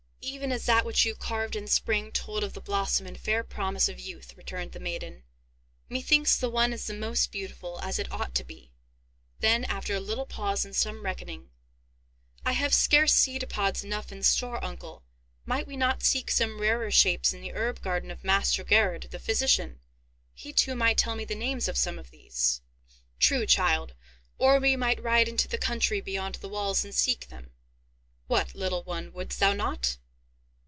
"Even as that which you carved in spring told of the blossom and fair promise of youth," returned the maiden. "Methinks the one is the most beautiful, as it ought to be;" then, after a little pause, and some reckoning, "I have scarce seed pods enough in store, uncle; might we not seek some rarer shapes in the herb garden of Master Gerhard, the physician? He, too, might tell me the names of some of these." "True, child; or we might ride into the country beyond the walls, and seek them. What, little one, wouldst thou not?"